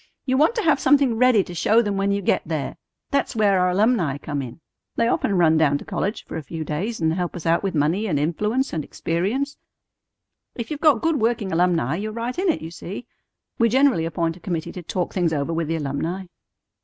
You want to have something ready to show them when you get them there. That's where our alumni come in. They often run down to college for a few days and help us out with money and influence and experience. If you've got good working alumni, you're right in it, you see. We generally appoint a committee to talk things over with the alumni."